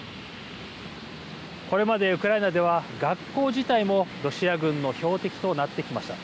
これまでウクライナでは学校自体もロシア軍の標的となってきました。